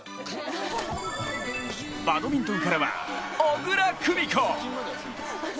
バドミントンからは小椋久美子。